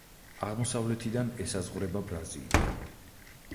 აღმოსავლეთიდან ესაზღვრება ბრაზილია.